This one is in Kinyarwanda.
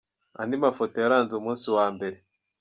Andi mafoto yaranze umunsi wa mbere.